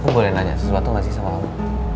aku boleh nanya sesuatu gak sih sama kamu